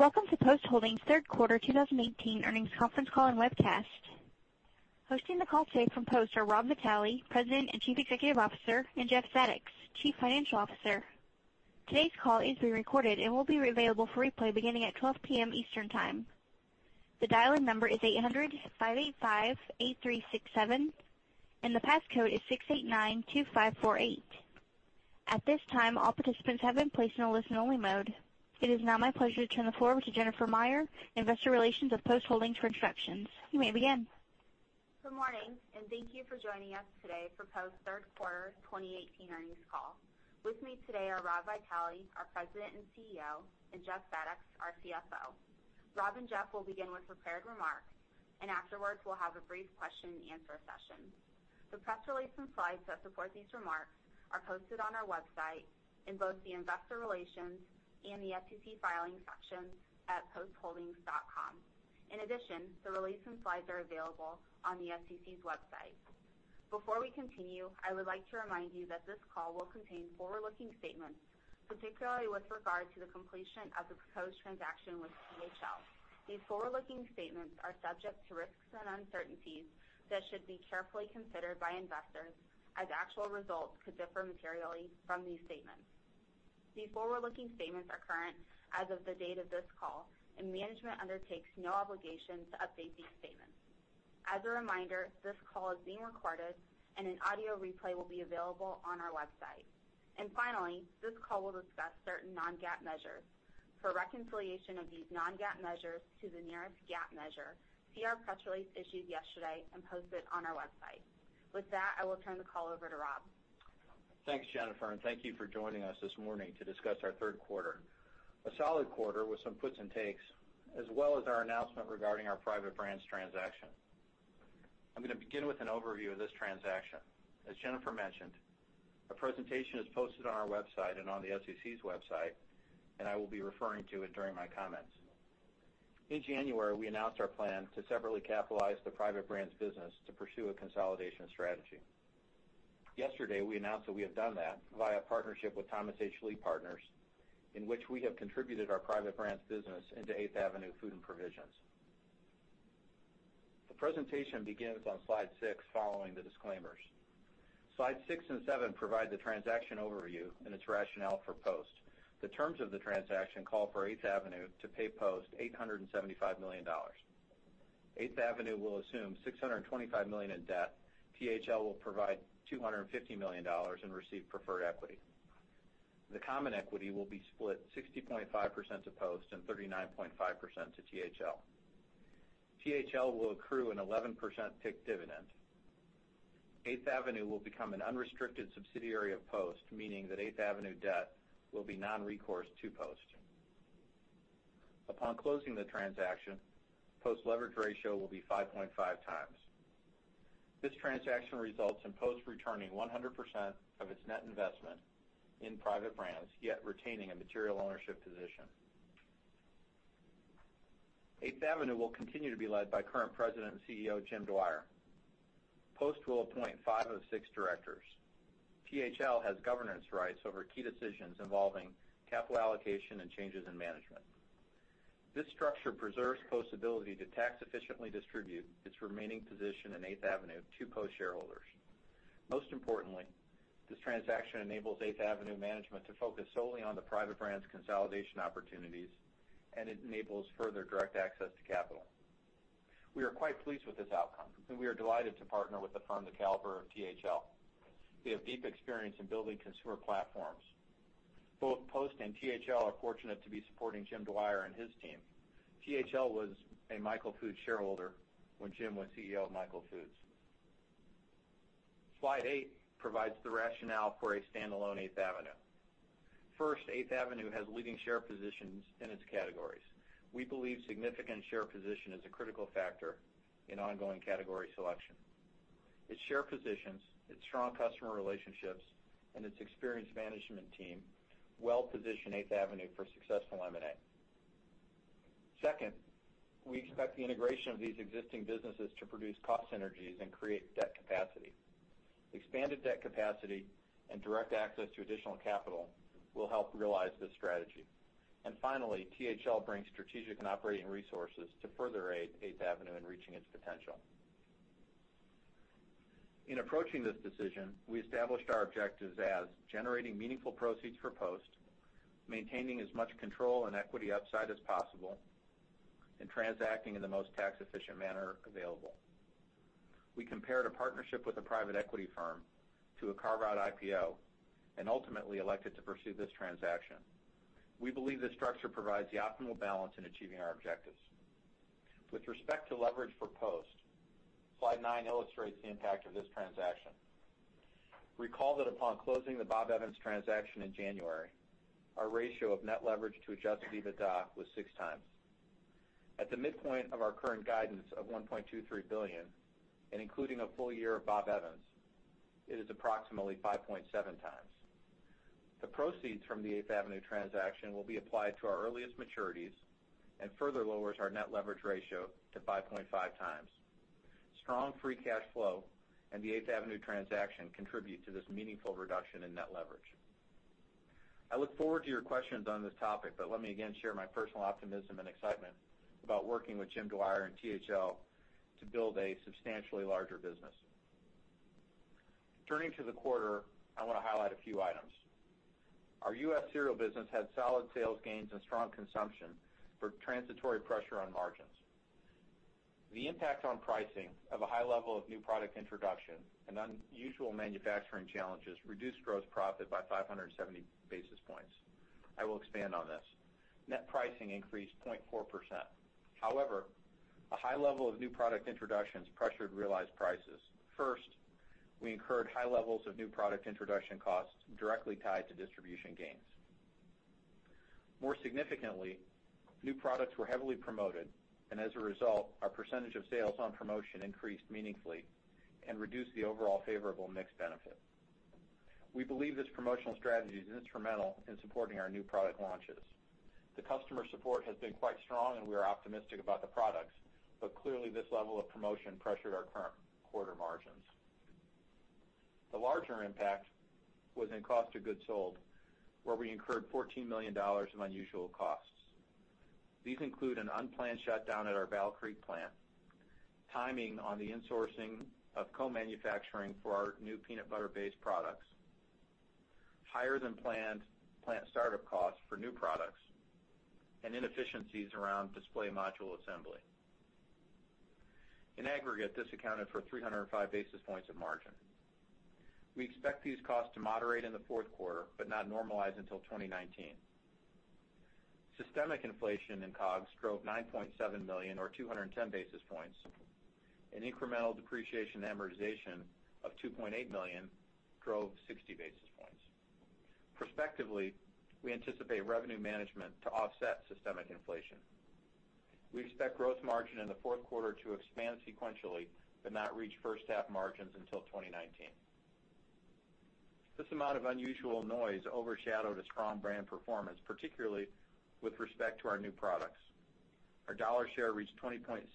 Welcome to Post Holdings' third quarter 2018 earnings conference call and webcast. Hosting the call today from Post are Rob Vitale, President and Chief Executive Officer, and Jeff Zadoks, Chief Financial Officer. Today's call is being recorded and will be available for replay beginning at 12:00 P.M. Eastern Time. The dial-in number is 800-585-8367 and the passcode is 6892548. At this time, all participants have been placed in a listen-only mode. It is now my pleasure to turn the floor over to Jennifer Meyer, Investor Relations of Post Holdings, for introductions. You may begin. Good morning, and thank you for joining us today for Post third quarter 2018 earnings call. With me today are Rob Vitale, our President and CEO, and Jeff Zadoks, our CFO. Rob and Jeff will begin with prepared remarks, and afterwards we'll have a brief question and answer session. The press release and slides that support these remarks are posted on our website in both the Investor Relations and the SEC Filings section at postholdings.com. In addition, the release and slides are available on the SEC's website. Before we continue, I would like to remind you that this call will contain forward-looking statements, particularly with regard to the completion of the proposed transaction with THL. These forward-looking statements are subject to risks and uncertainties that should be carefully considered by investors, as actual results could differ materially from these statements. These forward-looking statements are current as of the date of this call, and management undertakes no obligation to update these statements. As a reminder, this call is being recorded, and an audio replay will be available on our website. And finally, this call will discuss certain non-GAAP measures. For reconciliation of these non-GAAP measures to the nearest GAAP measure, see our press release issued yesterday and posted on our website. With that, I will turn the call over to Rob. Thanks, Jennifer, and thank you for joining us this morning to discuss our third quarter, a solid quarter with some puts and takes, as well as our announcement regarding our Private Brands transaction. I'm going to begin with an overview of this transaction. As Jennifer mentioned, a presentation is posted on our website and on the SEC's website, and I will be referring to it during my comments. In January, we announced our plan to separately capitalize the Private Brands business to pursue a consolidation strategy. Yesterday, we announced that we have done that via partnership with Thomas H. Lee Partners, in which we have contributed our Private Brands business into 8th Avenue Food & Provisions. The presentation begins on slide six following the disclaimers. Slides six and seven provide the transaction overview and its rationale for Post. The terms of the transaction call for 8th Avenue to pay Post $875 million. 8th Avenue will assume $625 million in debt. THL will provide $250 million and receive preferred equity. The common equity will be split 60.5% to Post and 39.5% to THL. THL will accrue an 11% PIK dividend. 8th Avenue will become an unrestricted subsidiary of Post, meaning that 8th Avenue debt will be non-recourse to Post. Upon closing the transaction, Post leverage ratio will be 5.5 times. This transaction results in Post returning 100% of its net investment in Private Brands, yet retaining a material ownership position. 8th Avenue will continue to be led by current President and CEO, Jim Dwyer. Post will appoint five of six directors. THL has governance rights over key decisions involving capital allocation and changes in management. This structure preserves Post's ability to tax efficiently distribute its remaining position in 8th Avenue to Post shareholders. Most importantly, this transaction enables 8th Avenue management to focus solely on the Private Brands consolidation opportunities. It enables further direct access to capital. We are quite pleased with this outcome. We are delighted to partner with a firm the caliber of THL. They have deep experience in building consumer platforms. Both Post and THL are fortunate to be supporting Jim Dwyer and his team. THL was a Michael Foods shareholder when Jim was CEO of Michael Foods. Slide eight provides the rationale for a standalone 8th Avenue. First, 8th Avenue has leading share positions in its categories. We believe significant share position is a critical factor in ongoing category selection. Its share positions, its strong customer relationships, and its experienced management team well-position 8th Avenue for successful M&A. Second, we expect the integration of these existing businesses to produce cost synergies and create debt capacity. Expanded debt capacity and direct access to additional capital will help realize this strategy. Finally, THL brings strategic and operating resources to further aid 8th Avenue in reaching its potential. In approaching this decision, we established our objectives as generating meaningful proceeds for Post, maintaining as much control and equity upside as possible, and transacting in the most tax-efficient manner available. We compared a partnership with a private equity firm to a carve-out IPO and ultimately elected to pursue this transaction. We believe this structure provides the optimal balance in achieving our objectives. With respect to leverage for Post, slide nine illustrates the impact of this transaction. Recall that upon closing the Bob Evans transaction in January, our ratio of net leverage to adjusted EBITDA was six times. At the midpoint of our current guidance of $1.23 billion. Including a full year of Bob Evans, it is approximately 5.7 times. The proceeds from the 8th Avenue transaction will be applied to our earliest maturities and further lowers our net leverage ratio to 5.5 times. Strong free cash flow and the 8th Avenue transaction contribute to this meaningful reduction in net leverage. I look forward to your questions on this topic, but let me again share my personal optimism and excitement about working with Jim Dwyer and THL to build a substantially larger business. Turning to the quarter, I want to highlight a few items. Our U.S. cereal business had solid sales gains and strong consumption for transitory pressure on margins. The impact on pricing of a high level of new product introduction and unusual manufacturing challenges reduced gross profit by 570 basis points. I will expand on this. Net pricing increased 0.4%. However, a high level of new product introductions pressured realized prices. We incurred high levels of new product introduction costs directly tied to distribution gains. More significantly, new products were heavily promoted, as a result, our percentage of sales on promotion increased meaningfully and reduced the overall favorable mix benefit. We believe this promotional strategy is instrumental in supporting our new product launches. The customer support has been quite strong, we are optimistic about the products, clearly this level of promotion pressured our current quarter margins. The larger impact was in cost of goods sold, where we incurred $14 million in unusual costs. These include an unplanned shutdown at our Battle Creek plant, timing on the insourcing of co-manufacturing for our new peanut butter-based products, higher than planned plant startup costs for new products, inefficiencies around display module assembly. In aggregate, this accounted for 305 basis points of margin. We expect these costs to moderate in the fourth quarter not normalize until 2019. Systemic inflation in COGS drove $9.7 million or 210 basis points, incremental depreciation and amortization of $2.8 million drove 60 basis points. We anticipate revenue management to offset systemic inflation. We expect gross margin in the fourth quarter to expand sequentially not reach first half margins until 2019. This amount of unusual noise overshadowed a strong brand performance, particularly with respect to our new products. Our dollar share reached 20.6%,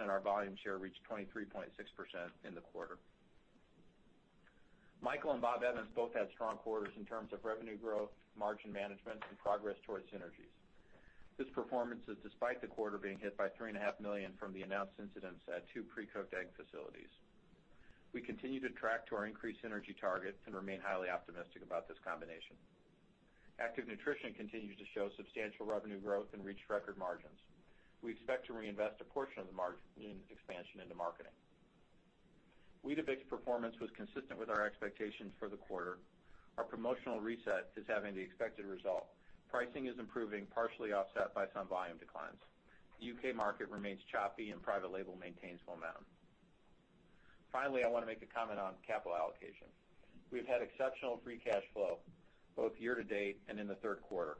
our volume share reached 23.6% in the quarter. Michael and Bob Evans both had strong quarters in terms of revenue growth, margin management, progress towards synergies. This performance is despite the quarter being hit by $3.5 million from the announced incidents at two pre-cooked egg facilities. We continue to track to our increased synergy targets and remain highly optimistic about this combination. Active Nutrition continues to show substantial revenue growth reached record margins. We expect to reinvest a portion of the margin expansion into marketing. Weetabix performance was consistent with our expectations for the quarter. Our promotional reset is having the expected result. Pricing is improving, partially offset by some volume declines. The U.K. market remains choppy private label maintains momentum. I want to make a comment on capital allocation. We've had exceptional free cash flow both year to date in the third quarter.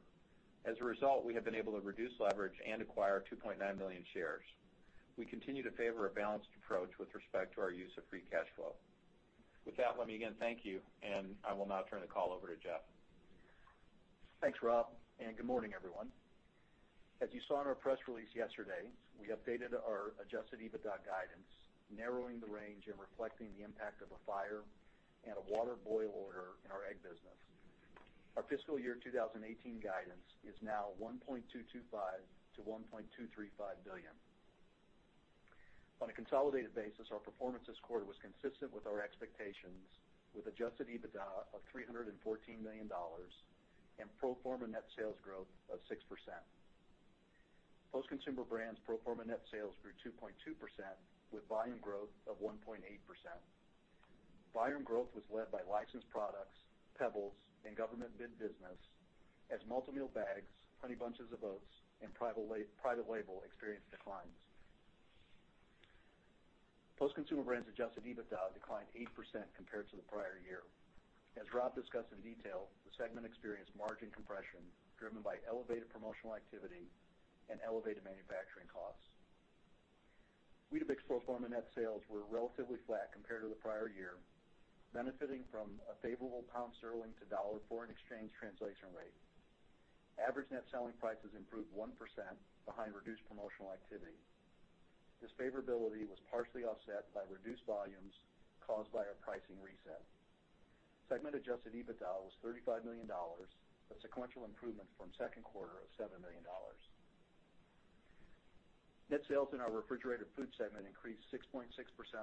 We have been able to reduce leverage acquire 2.9 million shares. We continue to favor a balanced approach with respect to our use of free cash flow. With that, let me again thank you, I will now turn the call over to Jeff. Thanks, Rob, and good morning, everyone. As you saw in our press release yesterday, we updated our adjusted EBITDA guidance, narrowing the range and reflecting the impact of a fire and a water boil order in our egg business. Our fiscal year 2018 guidance is now $1.225 billion-$1.235 billion. On a consolidated basis, our performance this quarter was consistent with our expectations with adjusted EBITDA of $314 million and pro forma net sales growth of 6%. Post Consumer Brands pro forma net sales grew 2.2% with volume growth of 1.8%. Volume growth was led by licensed products, PEBBLES, and government bid business as Malt-O-Meal bags, Honey Bunches of Oats, and Private Brands experienced declines. Post Consumer Brands adjusted EBITDA declined 8% compared to the prior year. As Rob discussed in detail, the segment experienced margin compression driven by elevated promotional activity and elevated manufacturing costs. Weetabix pro forma net sales were relatively flat compared to the prior year, benefiting from a favorable GBP to US dollar foreign exchange translation rate. Average net selling prices improved 1% behind reduced promotional activity. This favorability was partially offset by reduced volumes caused by our pricing reset. Segment adjusted EBITDA was $35 million, a sequential improvement from second quarter of $7 million. Net sales in our refrigerated food segment increased 6.6%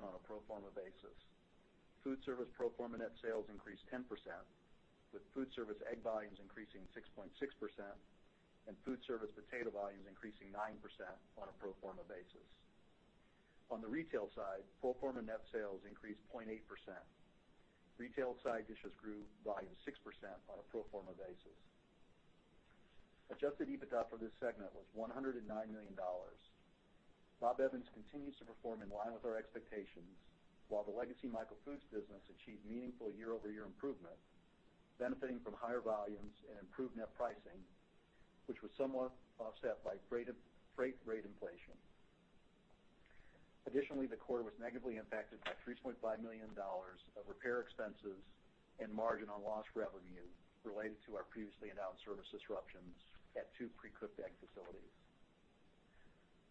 on a pro forma basis. Food service pro forma net sales increased 10%, with food service egg volumes increasing 6.6% and food service potato volumes increasing 9% on a pro forma basis. On the retail side, pro forma net sales increased 0.8%. Retail side dishes grew volume 6% on a pro forma basis. Adjusted EBITDA for this segment was $109 million. Bob Evans Farms continues to perform in line with our expectations, while the legacy Michael Foods business achieved meaningful year-over-year improvement, benefiting from higher volumes and improved net pricing, which was somewhat offset by freight rate inflation. Additionally, the quarter was negatively impacted by $3.5 million of repair expenses and margin on lost revenue related to our previously announced service disruptions at two pre-cooked egg facilities.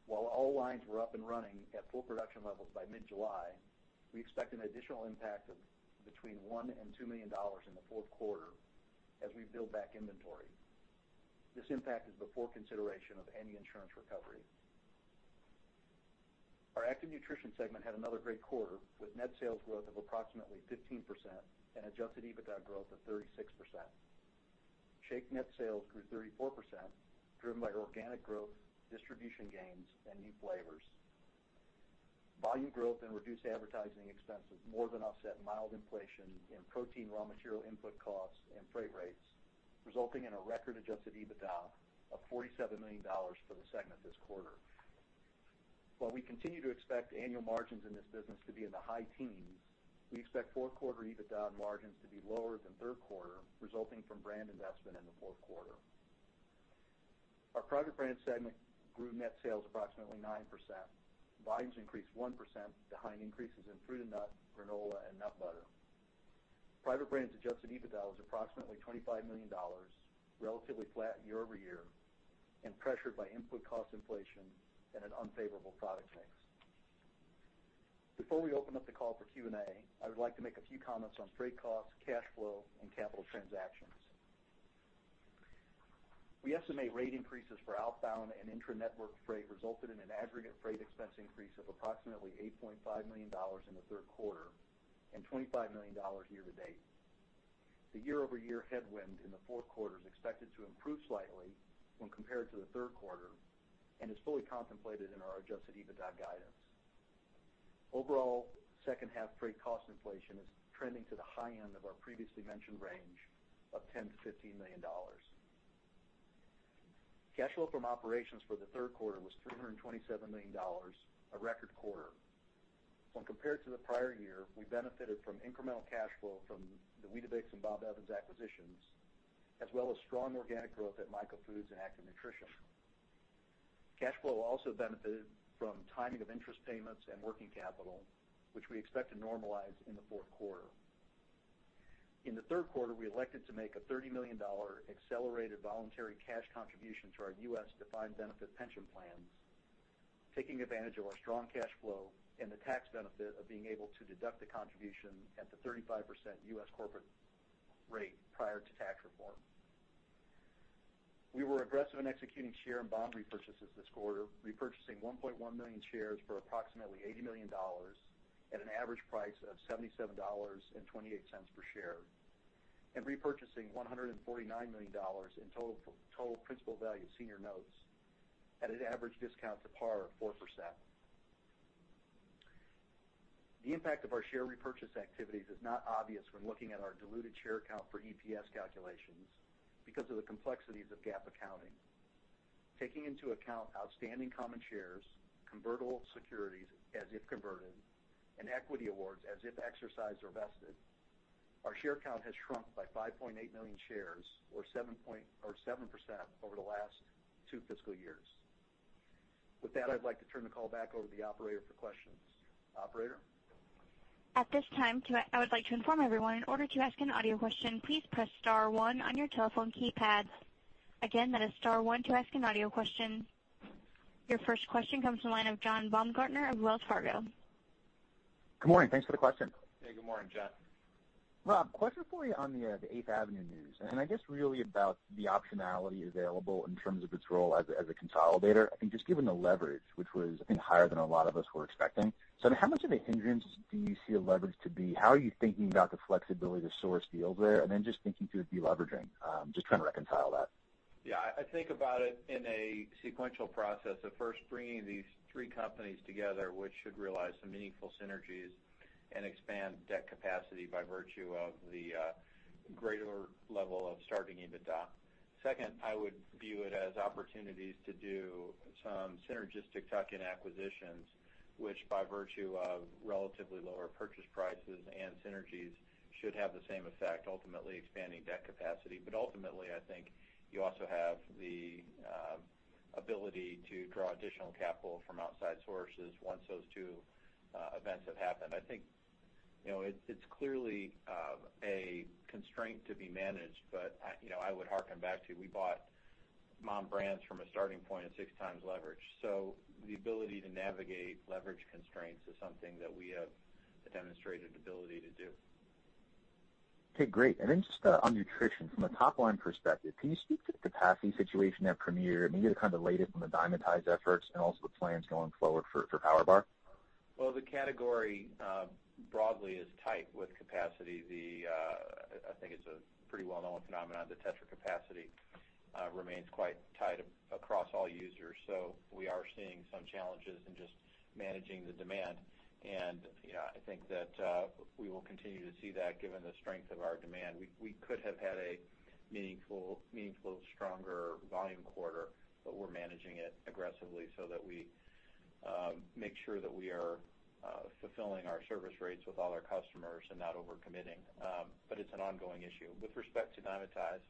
While all lines were up and running at full production levels by mid-July, we expect an additional impact of between $1 million and $2 million in the fourth quarter as we build back inventory. This impact is before consideration of any insurance recovery. Our Active Nutrition segment had another great quarter, with net sales growth of approximately 15% and adjusted EBITDA growth of 36%. Shake net sales grew 34%, driven by organic growth, distribution gains, and new flavors. Volume growth and reduced advertising expenses more than offset mild inflation in protein raw material input costs and freight rates, resulting in a record adjusted EBITDA of $47 million for the segment this quarter. While we continue to expect annual margins in this business to be in the high teens, we expect fourth quarter EBITDA and margins to be lower than third quarter, resulting from brand investment in the fourth quarter. Our Private Brands segment grew net sales approximately 9%. Volumes increased 1%, behind increases in fruit and nut, granola, and nut butter. Private Brands' adjusted EBITDA was approximately $25 million, relatively flat year-over-year, and pressured by input cost inflation and an unfavorable product mix. Before we open up the call for Q&A, I would like to make a few comments on freight costs, cash flow, and capital transactions. We estimate rate increases for outbound and intra-network freight resulted in an aggregate freight expense increase of approximately $8.5 million in the third quarter and $25 million year-to-date. The year-over-year headwind in the fourth quarter is expected to improve slightly when compared to the third quarter and is fully contemplated in our adjusted EBITDA guidance. Overall, second half freight cost inflation is trending to the high end of our previously mentioned range of $10 million-$15 million. Cash flow from operations for the third quarter was $327 million, a record quarter. When compared to the prior year, we benefited from incremental cash flow from the Weetabix and Bob Evans acquisitions, as well as strong organic growth at Michael Foods and Active Nutrition. Cash flow also benefited from timing of interest payments and working capital, which we expect to normalize in the fourth quarter. In the third quarter, we elected to make a $30 million accelerated voluntary cash contribution to our U.S. defined benefit pension plans, taking advantage of our strong cash flow and the tax benefit of being able to deduct the contribution at the 35% U.S. corporate rate prior to tax reform. We were aggressive in executing share and bond repurchases this quarter, repurchasing 1.1 million shares for approximately $80 million at an average price of $77.28 per share and repurchasing $149 million in total principal value of senior notes at an average discount to par of 4%. The impact of our share repurchase activities is not obvious when looking at our diluted share count for EPS calculations because of the complexities of GAAP accounting. Taking into account outstanding common shares, convertible securities as if converted, and equity awards as if exercised or vested, our share count has shrunk by 5.8 million shares, or 7%, over the last two fiscal years. With that, I'd like to turn the call back over to the operator for questions. Operator? At this time, I would like to inform everyone in order to ask an audio question, please press *1 on your telephone keypad. Again, that is *1 to ask an audio question. Your first question comes from the line of John Baumgartner of Wells Fargo. Good morning. Thanks for the question. Hey, good morning, John. Rob, question for you on the 8th Avenue news, I guess really about the optionality available in terms of its role as a consolidator. Just given the leverage, which was, I think, higher than a lot of us were expecting. How much of a hindrance do you see the leverage to be? How are you thinking about the flexibility to source deals there? Then just thinking through the deleveraging, just trying to reconcile that. Yeah. I think about it in a sequential process of first bringing these three companies together, which should realize some meaningful synergies and expand debt capacity by virtue of the greater level of starting EBITDA. Second, I would view it as opportunities to do some synergistic tuck-in acquisitions, which by virtue of relatively lower purchase prices and synergies, should have the same effect, ultimately expanding debt capacity. Ultimately, I think you also have the ability to draw additional capital from outside sources once those two events have happened. I think it's clearly a constraint to be managed, but I would harken back to, we bought MOM Brands from a starting point of six times leverage. The ability to navigate leverage constraints is something that we have a demonstrated ability to do. Okay, great. Then just on nutrition, from a top-line perspective, can you speak to the capacity situation at Premier and maybe the kind of latest on the Dymatize efforts and also the plans going forward for PowerBar? Well, the category broadly is tight with capacity. I think it's a pretty well-known phenomenon that Tetra capacity remains quite tight across all users. We are seeing some challenges in just managing the demand, I think that we will continue to see that given the strength of our demand. We could have had a meaningful, stronger volume quarter, we're managing it aggressively so that we make sure that we are fulfilling our service rates with all our customers and not over-committing. It's an ongoing issue. With respect to Dymatize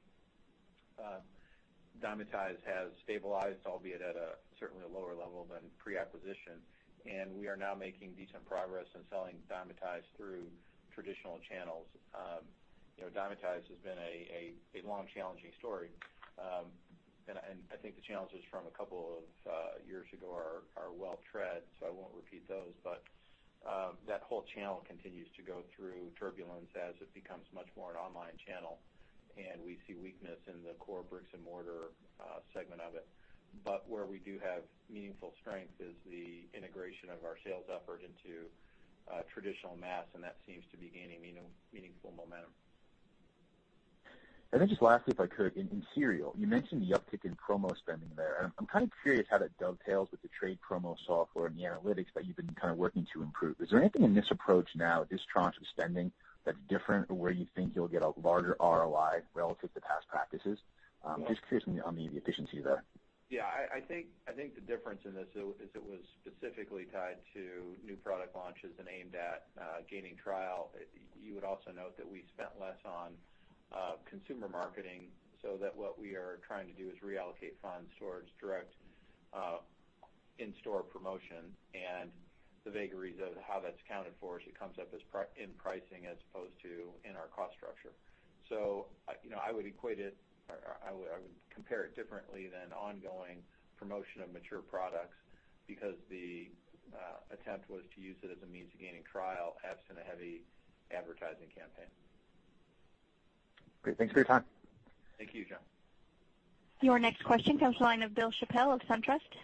has stabilized, albeit at a certainly lower level than pre-acquisition, we are now making decent progress in selling Dymatize through traditional channels. Dymatize has been a long challenging story. I think the challenges from a couple of years ago are well-tread, I won't repeat those. That whole channel continues to go through turbulence as it becomes much more an online channel, we see weakness in the core bricks-and-mortar segment of it. Where we do have meaningful strength is the integration of our sales effort into traditional mass, that seems to be gaining meaningful momentum. Then just lastly, if I could, in cereal, you mentioned the uptick in promo spending there, I'm curious how that dovetails with the trade promo software and the analytics that you've been working to improve. Is there anything in this approach now, this tranche of spending, that's different or where you think you'll get a larger ROI relative to past practices? Just curious on the efficiency there. Yeah. I think the difference in this is it was specifically tied to new product launches and aimed at gaining trial. You would also note that we spent less on consumer marketing, so that what we are trying to do is reallocate funds towards direct in-store promotion. The vagaries of how that's accounted for is it comes up in pricing as opposed to in our cost structure. I would compare it differently than ongoing promotion of mature products because the attempt was to use it as a means of gaining trial absent a heavy advertising campaign. Great. Thanks for your time. Thank you, John. Your next question comes from the line of Bill Chappell of SunTrust.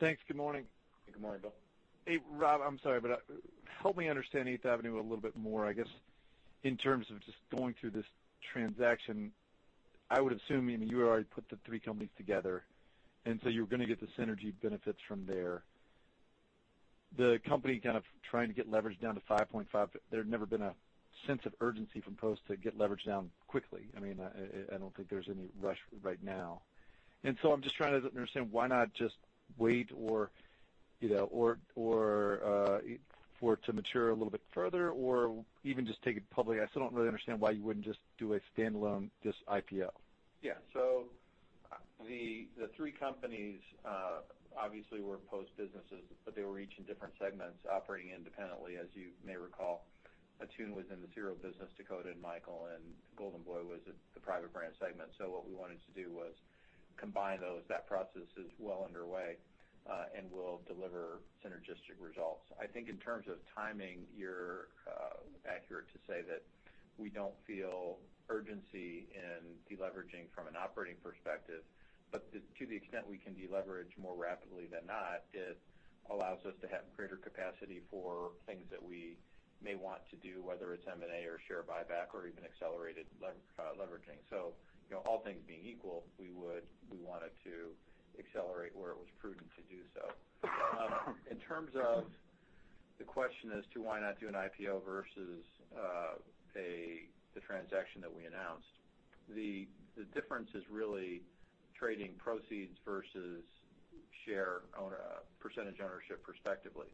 Thanks. Good morning. Good morning, Bill. Hey, Rob, I'm sorry, but help me understand 8th Avenue a little bit more, I guess, in terms of just going through this transaction. I would assume you had already put the three companies together, and you were going to get the synergy benefits from there. The company kind of trying to get leverage down to 5.5, there had never been a sense of urgency from Post to get leverage down quickly. I don't think there's any rush right now. I'm just trying to understand why not just wait or for it to mature a little bit further or even just take it public. I still don't really understand why you wouldn't just do a standalone just IPO. Yeah. The three companies, obviously, were Post businesses, but they were each in different segments operating independently. As you may recall, Attune was in the cereal business, Dakota and Michael, and Golden Boy was the Private Brands segment. What we wanted to do was combine those. That process is well underway, and will deliver synergistic results. I think in terms of timing, you're accurate to say that we don't feel urgency in deleveraging from an operating perspective. But to the extent we can deleverage more rapidly than not, it allows us to have greater capacity for things that we may want to do, whether it's M&A or share buyback or even accelerated leveraging. All things being equal, we wanted to accelerate where it was prudent to do so. In terms of the question as to why not do an IPO versus the transaction that we announced, the difference is really trading proceeds versus share owner percentage ownership, respectively.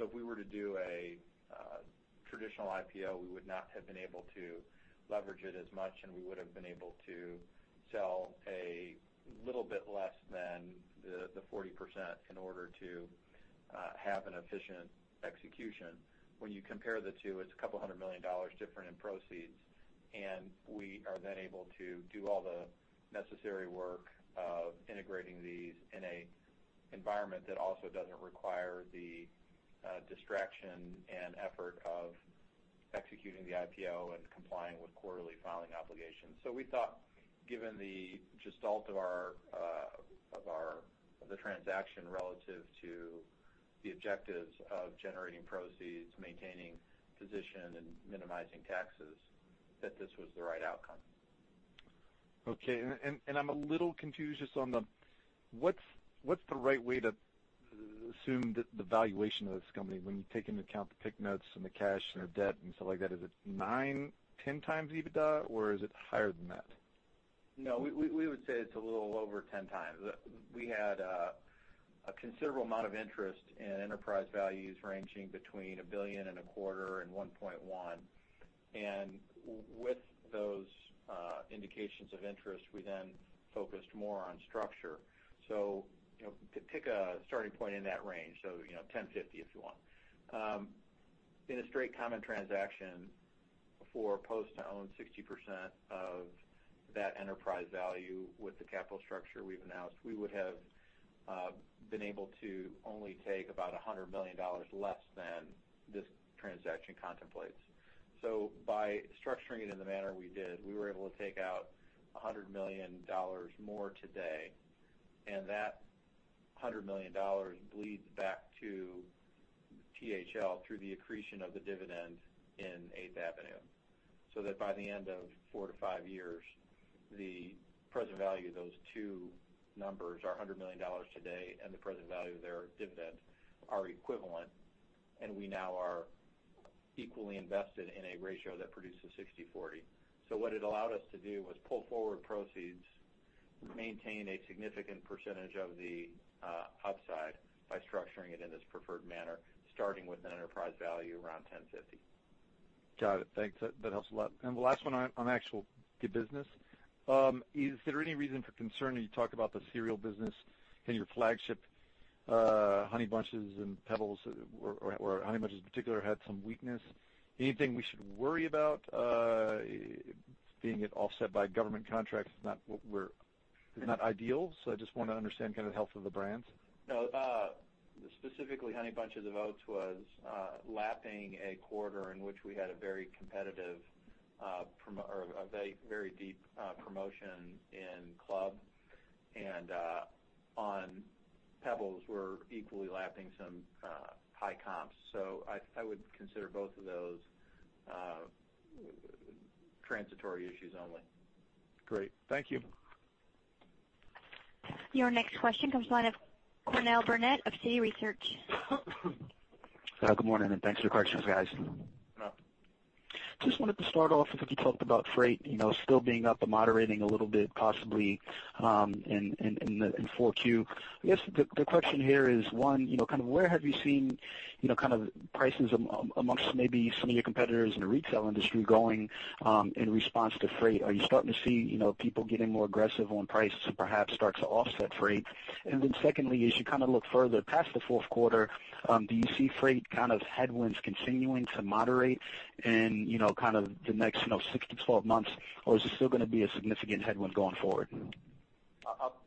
If we were to do a traditional IPO, we would not have been able to leverage it as much, and we would've been able to sell a little bit less than the 40% in order to have an efficient execution. When you compare the two, it's a couple hundred million USD different in proceeds, we are then able to do all the necessary work of integrating these in an environment that also doesn't require the distraction and effort of executing the IPO and complying with quarterly filing obligations. We thought given the gestalt of the transaction relative to the objectives of generating proceeds, maintaining position, and minimizing taxes, that this was the right outcome. Okay. I'm a little confused just on the, what's the right way to assume the valuation of this company when you take into account the PIK notes and the cash and the debt and stuff like that? Is it nine, 10 times EBITDA, or is it higher than that? No, we would say it's a little over 10 times. We had a considerable amount of interest in enterprise values ranging between a billion and a quarter USD and $1.1 billion. With those indications of interest, we then focused more on structure. Pick a starting point in that range, so 10.50 if you want. In a straight common transaction for Post to own 60% of that enterprise value with the capital structure we've announced, we would have been able to only take about $100 million less than this transaction contemplates. By structuring it in the manner we did, we were able to take out $100 million more today, and that $100 million bleeds back to THL through the accretion of the dividend in 8th Avenue. That by the end of four to five years, the present value of those two numbers, our $100 million today and the present value of their dividend, are equivalent, and we now are equally invested in a ratio that produces 60/40. What it allowed us to do was pull forward proceeds, maintain a significant percentage of the upside by structuring it in this preferred manner, starting with an enterprise value around 10.50. Got it. Thanks. That helps a lot. The last one on actual the business. Is there any reason for concern when you talk about the cereal business being your flagship Honey Bunches of Oats and PEBBLES, or Honey Bunches of Oats in particular, had some weakness. Anything we should worry about, being it offset by government contracts is not ideal. I just want to understand health of the brands. No. Specifically, Honey Bunches of Oats was lapping a quarter in which we had a very competitive, or a very deep promotion in club, and on PEBBLES, we're equally lapping some high comps. I would consider both of those transitory issues only. Great. Thank you. Your next question comes from the line of Cornell Burnette of Citi Research. Good morning, thanks for the questions, guys. No. Just wanted to start off, I think you talked about freight, still being up but moderating a little bit, possibly, in 4Q. I guess the question here is, 1, where have you seen prices amongst maybe some of your competitors in the retail industry going in response to freight? Are you starting to see people getting more aggressive on price to perhaps start to offset freight? Secondly, as you look further past the fourth quarter, do you see freight headwinds continuing to moderate in the next six to 12 months, or is this still going to be a significant headwind going forward?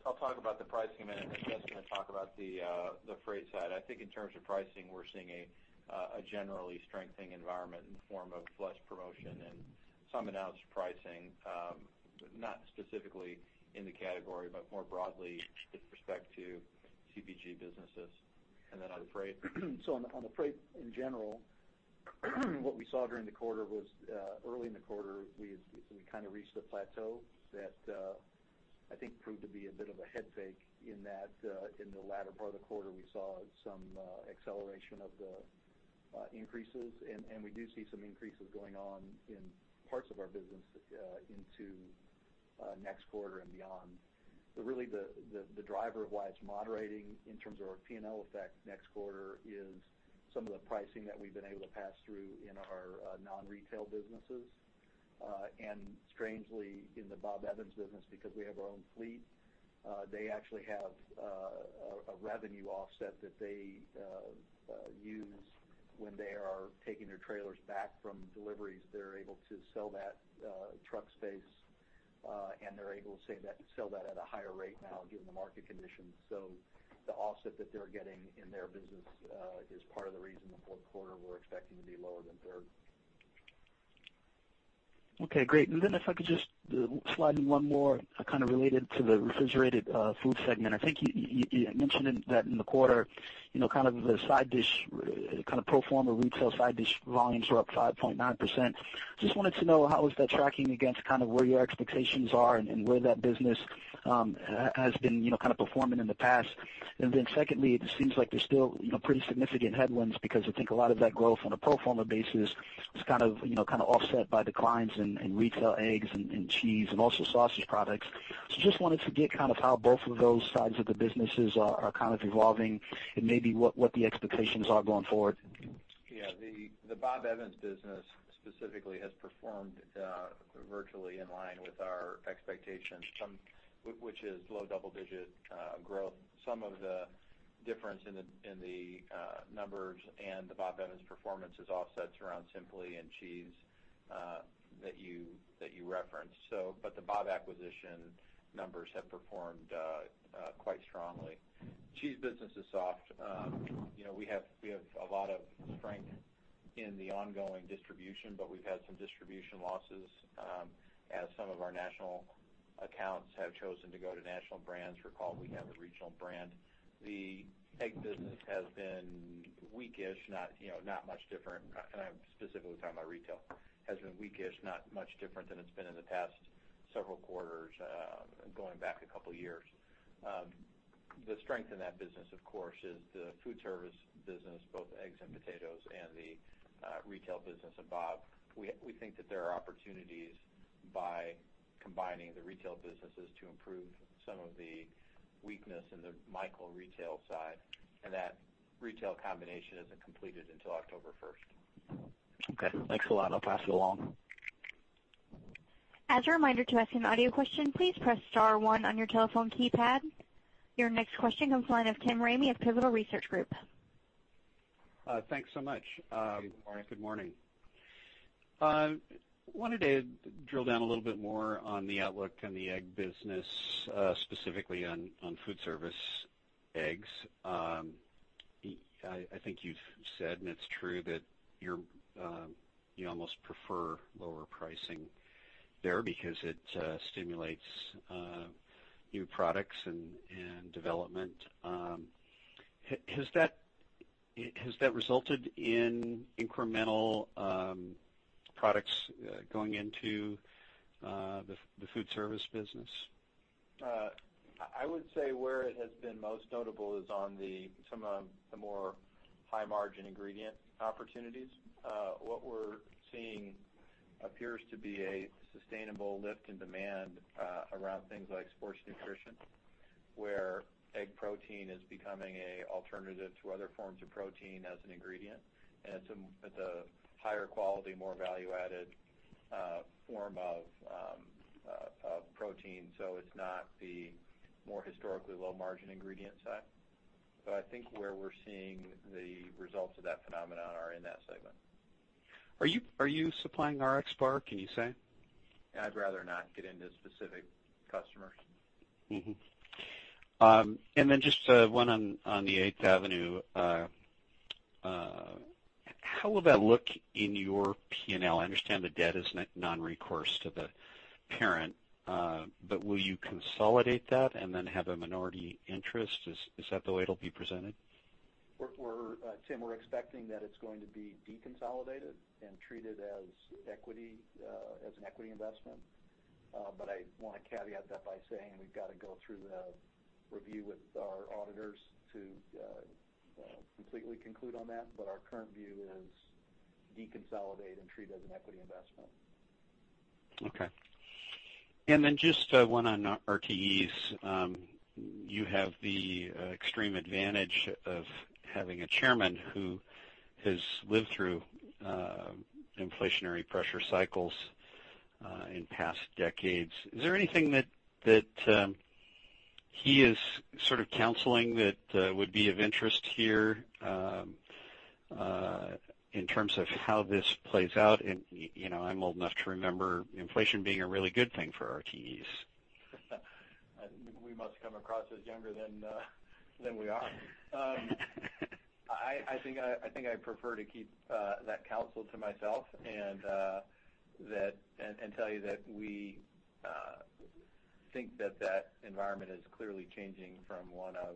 I'll talk about the pricing in a minute, then Jeff's going to talk about the freight side. I think in terms of pricing, we're seeing a generally strengthening environment in the form of less promotion and some announced pricing, not specifically in the category, but more broadly with respect to CPG businesses. On freight. On the freight, in general, what we saw during the quarter was, early in the quarter, we reached a plateau that I think proved to be a bit of a head fake in that in the latter part of the quarter, we saw some acceleration of the increases. We do see some increases going on in parts of our business into next quarter and beyond. Really, the driver of why it's moderating in terms of our P&L effect next quarter is some of the pricing that we've been able to pass through in our non-retail businesses. Strangely, in the Bob Evans business, because we have our own fleet, they actually have a revenue offset that they use when they are taking their trailers back from deliveries. They're able to sell that truck space, and they're able to sell that at a higher rate now given the market conditions. The offset that they're getting in their business is part of the reason the fourth quarter we're expecting to be lower than third. Okay, great. If I could just slide in one more related to the refrigerated food segment. I think you mentioned that in the quarter, the side dish, pro forma retail side dish volumes were up 5.9%. Just wanted to know how is that tracking against where your expectations are and where that business has been performing in the past. Secondly, it seems like there's still pretty significant headwinds because I think a lot of that growth on a pro forma basis is offset by declines in retail eggs and cheese and also sausage products. Just wanted to get how both of those sides of the businesses are evolving and maybe what the expectations are going forward. Yeah. The Bob Evans business specifically has performed virtually in line with our expectations, which is low double-digit growth. Some of the difference in the numbers and the Bob Evans performance is offsets around Simply and cheese that you referenced. The Bob acquisition numbers have performed quite strongly. Cheese business is soft. We have a lot of strength in the ongoing distribution, but we've had some distribution losses as some of our national accounts have chosen to go to national brands. Recall, we have a regional brand. The egg business has been weak-ish, not much different, and I'm specifically talking about retail, has been weak-ish, not much different than it's been in the past several quarters, going back a couple of years. The strength in that business, of course, is the food service business, both eggs and potatoes, and the retail business of Bob. We think that there are opportunities by combining the retail businesses to improve some of the weakness in the Michael retail side, and that retail combination isn't completed until October 1st. Okay, thanks a lot. I'll pass it along. As a reminder to ask an audio question, please press star one on your telephone keypad. Your next question comes from the line of Tim Ramey of Pivotal Research Group. Thanks so much. Good morning. Good morning. Wanted to drill down a little bit more on the outlook on the egg business, specifically on food service eggs. I think you've said, and it's true, that you almost prefer lower pricing there because it stimulates new products and development. Has that resulted in incremental products going into the food service business? I would say where it has been most notable is on some of the more high-margin ingredient opportunities. What we're seeing appears to be a sustainable lift in demand around things like sports nutrition, where egg protein is becoming an alternative to other forms of protein as an ingredient. It's a higher quality, more value-added form of protein. It's not the more historically low-margin ingredient side. I think where we're seeing the results of that phenomenon are in that segment. Are you supplying RXBAR? Can you say? I'd rather not get into specific customers. Mm-hmm. Just one on the 8th Avenue. How will that look in your P&L? I understand the debt is non-recourse to the parent. Will you consolidate that and then have a minority interest? Is that the way it'll be presented? Tim, we're expecting that it's going to be deconsolidated and treated as an equity investment. I want to caveat that by saying we've got to go through the review with our auditors to completely conclude on that. Our current view is deconsolidate and treat as an equity investment. Okay. Just one on RTEs. You have the extreme advantage of having a chairman who has lived through inflationary pressure cycles in past decades. Is there anything that he is sort of counseling that would be of interest here, in terms of how this plays out? I'm old enough to remember inflation being a really good thing for RTEs. We must come across as younger than we are. I think I prefer to keep that counsel to myself, and tell you that we think that that environment is clearly changing from one of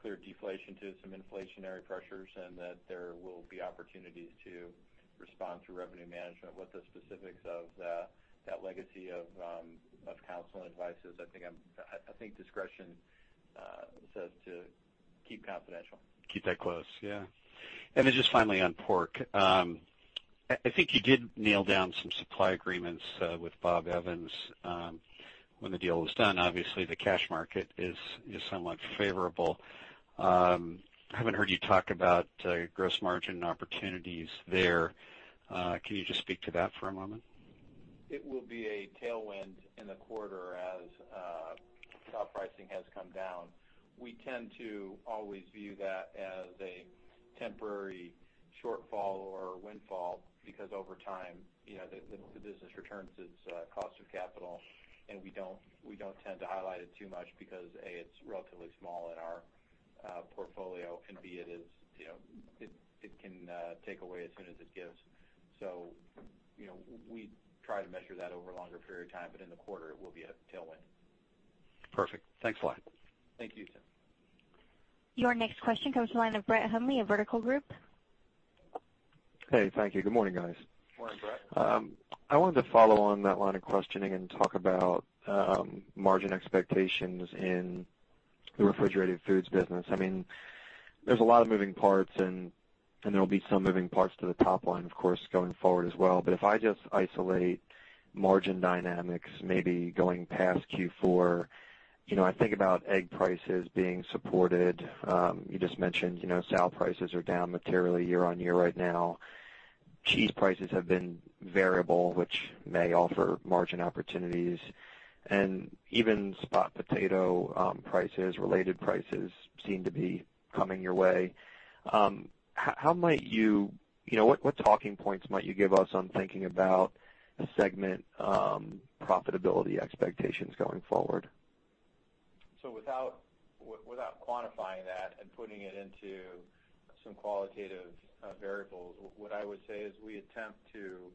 clear deflation to some inflationary pressures, and that there will be opportunities to respond through revenue management. What the specifics of that legacy of counsel and advice is, I think discretion says to keep confidential. Keep that close, yeah. Just finally on pork. I think you did nail down some supply agreements with Bob Evans when the deal was done. Obviously, the cash market is somewhat favorable. I haven't heard you talk about gross margin opportunities there. Can you just speak to that for a moment? It will be a tailwind in the quarter as sow pricing has come down. We tend to always view that as a temporary shortfall or windfall because over time, the business returns its cost of capital, we don't tend to highlight it too much because, A, it's relatively small in our portfolio and, B, it can take away as soon as it gives. We try to measure that over a longer period of time. In the quarter, it will be a tailwind. Perfect. Thanks a lot. Thank you, Tim. Your next question comes from the line of Brett Hundley of Vertical Group. Hey, thank you. Good morning, guys. Morning, Brett. I wanted to follow on that line of questioning and talk about margin expectations in the refrigerated foods business. There's a lot of moving parts, and there'll be some moving parts to the top line, of course, going forward as well. If I just isolate margin dynamics, maybe going past Q4, I think about egg prices being supported. You just mentioned, sow prices are down materially year-on-year right now. Cheese prices have been variable, which may offer margin opportunities. Even spot potato prices, related prices seem to be coming your way. What talking points might you give us on thinking about segment profitability expectations going forward? Without quantifying that and putting it into some qualitative variables, what I would say is we attempt to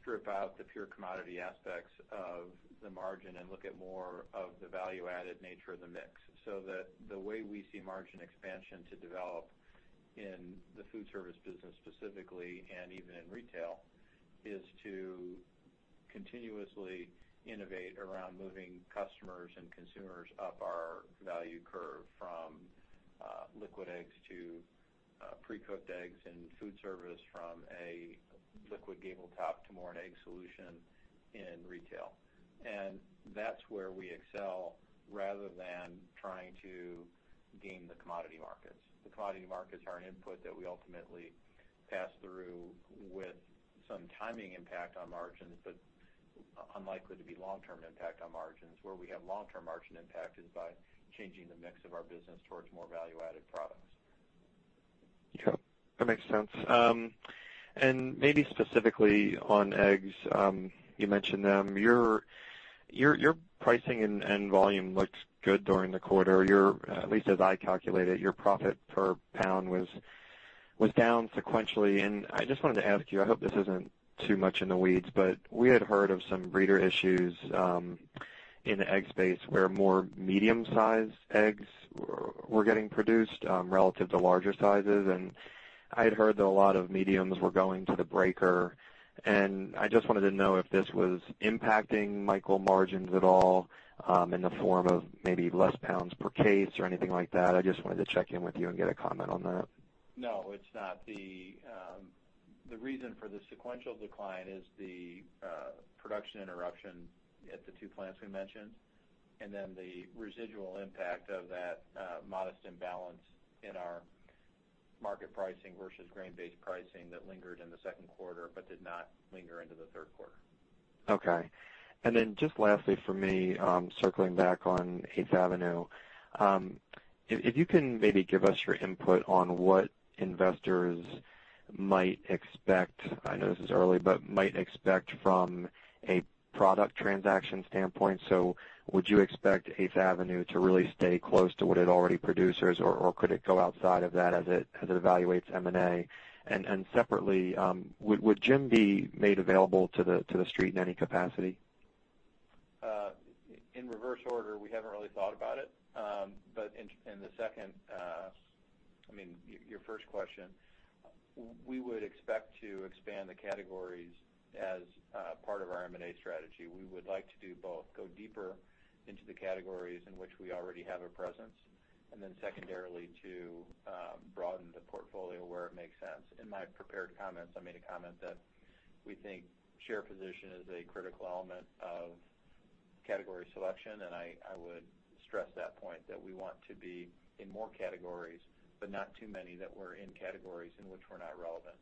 strip out the pure commodity aspects of the margin and look at more of the value-added nature of the mix. The way we see margin expansion to develop in the food service business specifically, even in retail, is to continuously innovate around moving customers and consumers up our value curve from liquid eggs to pre-cooked eggs in food service, from a liquid gable top to more an egg solution in retail. That's where we excel rather than trying to game the commodity markets. The commodity markets are an input that we ultimately pass through with some timing impact on margins, but unlikely to be long-term impact on margins. Where we have long-term margin impact is by changing the mix of our business towards more value-added products. Yeah. That makes sense. Maybe specifically on eggs, you mentioned them. Your pricing and volume looked good during the quarter. At least as I calculate it, your profit per pound was down sequentially. I just wanted to ask you, I hope this isn't too much in the weeds, but we had heard of some breeder issues in the egg space where more medium-sized eggs were getting produced relative to larger sizes. I had heard that a lot of mediums were going to the breaker, and I just wanted to know if this was impacting Michael margins at all, in the form of maybe less pounds per case or anything like that. I just wanted to check in with you and get a comment on that. No, it's not. The reason for the sequential decline is the production interruption at the two plants we mentioned, then the residual impact of that modest imbalance in our market pricing versus grain-based pricing that lingered in the second quarter but did not linger into the third quarter. Okay. Then just lastly from me, circling back on 8th Avenue. If you can maybe give us your input on what investors might expect, I know this is early, but might expect from a product transaction standpoint. Would you expect 8th Avenue to really stay close to what it already produces or could it go outside of that as it evaluates M&A? Separately, would Jim be made available to the street in any capacity? In reverse order, we haven't really thought about it. In the second, your first question, we would expect to expand the categories as part of our M&A strategy. We would like to do both: go deeper into the categories in which we already have a presence, and then secondarily, to broaden the portfolio where it makes sense. In my prepared comments, I made a comment that we think share position is a critical element of category selection, and I would stress that point, that we want to be in more categories, but not too many that we're in categories in which we're not relevant.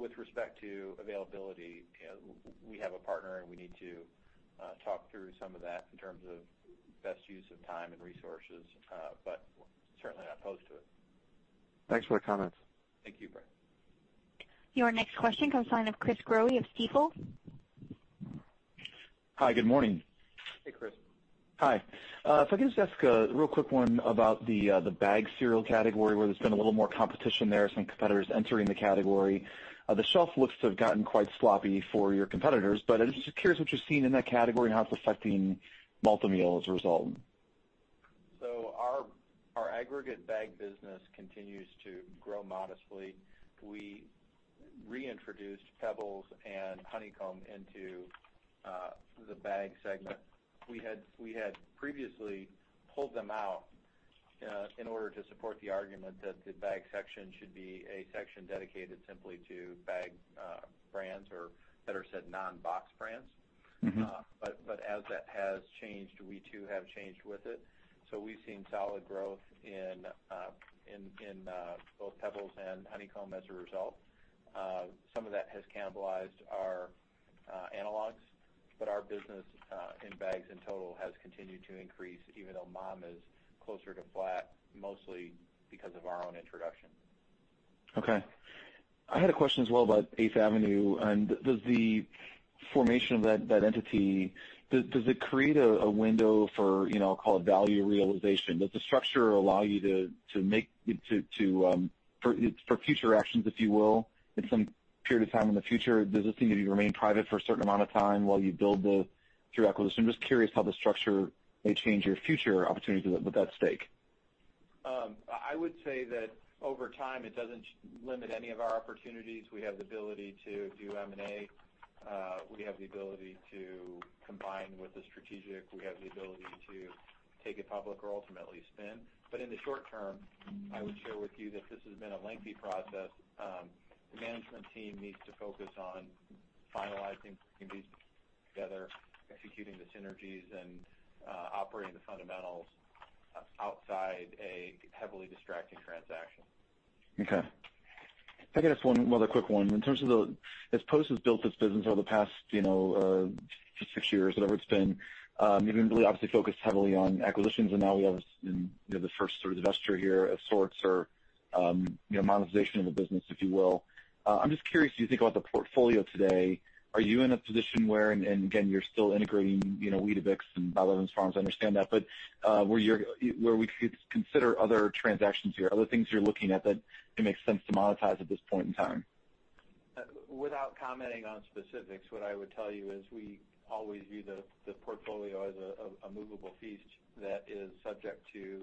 With respect to availability, we have a partner, and we need to talk through some of that in terms of best use of time and resources, but certainly not opposed to it. Thanks for the comments. Thank you, Brett. Your next question comes from the line of Chris Growe of Stifel. Hi, good morning. Hey, Chris. Hi. I guess just a real quick one about the bagged cereal category, where there's been a little more competition there, some competitors entering the category. The shelf looks to have gotten quite sloppy for your competitors, but I'm just curious what you're seeing in that category and how it's affecting Malt-O-Meal as a result. Our aggregate bagged business continues to grow modestly. We reintroduced PEBBLES and Honeycomb into the bagged segment. We had previously pulled them out in order to support the argument that the bagged section should be a section dedicated simply to bagged brands or better said, non-boxed brands. As that has changed, we too have changed with it. We've seen solid growth in both PEBBLES and Honeycomb as a result. Some of that has cannibalized our analogs, but our business in bags in total has continued to increase even though MOM is closer to flat, mostly because of our own introduction. Okay. I had a question as well about 8th Avenue and does the formation of that entity, does it create a window for call it value realization? Does the structure allow you to, for future actions, if you will, at some period of time in the future, does this need to be remained private for a certain amount of time while you build through acquisition? I'm just curious how the structure may change your future opportunities with that stake. I would say that over time, it doesn't limit any of our opportunities. We have the ability to do M&A. We have the ability to combine with a strategic. We have the ability to take it public or ultimately spin. In the short term, I would share with you that this has been a lengthy process. The management team needs to focus on finalizing together, executing the synergies and operating the fundamentals outside a heavily distracting transaction. Okay. If I could, just one other quick one. In terms of the, as Post has built its business over the past, six years, whatever it's been, you've been really obviously focused heavily on acquisitions, and now we have the first sort of investor here of sorts or monetization of the business, if you will. I'm just curious, as you think about the portfolio today, are you in a position where, and again, you're still integrating Weetabix and Bob Evans Farms, I understand that, where we could consider other transactions here, other things you're looking at that it makes sense to monetize at this point in time? Without commenting on specifics, what I would tell you is we always view the portfolio as a movable feast that is subject to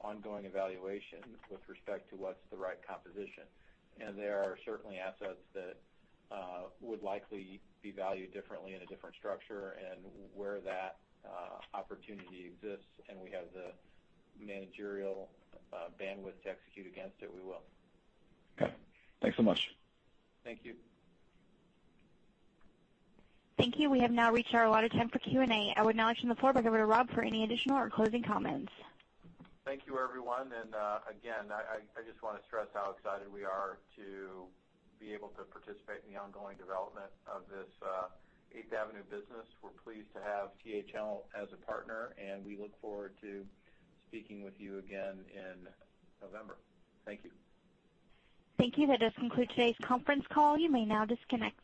ongoing evaluation with respect to what's the right composition. There are certainly assets that would likely be valued differently in a different structure and where that opportunity exists, and we have the managerial bandwidth to execute against it, we will. Okay. Thanks so much. Thank you. Thank you. We have now reached our allotted time for Q&A. I would now turn the floor back over to Rob for any additional or closing comments. Thank you, everyone. Again, I just want to stress how excited we are to be able to participate in the ongoing development of this 8th Avenue business. We're pleased to have THL as a partner, and we look forward to speaking with you again in November. Thank you. Thank you. That does conclude today's conference call. You may now disconnect.